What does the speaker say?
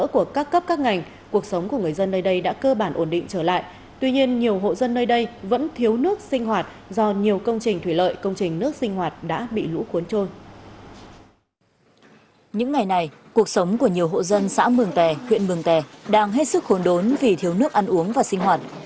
cuộc sống của nhiều hộ dân xã mường tè huyện mường tè đang hết sức khốn đốn vì thiếu nước ăn uống và sinh hoạt